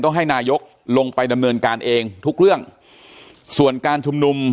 ให้นายกลงไปดำเนินการเองทุกเรื่องส่วนการชุมนุม